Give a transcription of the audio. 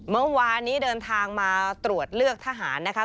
เมื่อวานนี้เดินทางมาตรวจเลือกทหารนะคะ